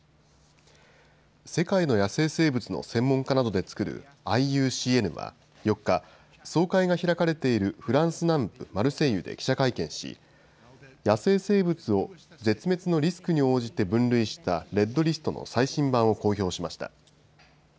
世界の野生生物の専門家などで作るＩＵＣＮは４日、総会が開かれているフランス南部マルセイユで記者会見し、野生生物を絶滅のリスクに応じて分類したレッドリストの最新版を公表しました。